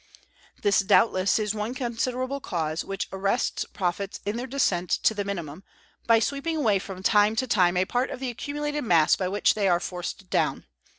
This, doubtless, is one considerable cause which arrests profits in their descent to the minimum, by sweeping away from time to time a part of the accumulated mass by which they are forced down.